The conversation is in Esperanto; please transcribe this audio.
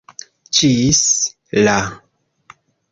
Ĝis la